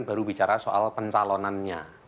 baru bicara soal pencalonannya